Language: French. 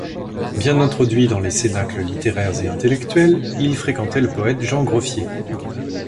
Bien introduit dans les cénacles littéraires et intellectuels, il fréquentait le poète Jean Groffier.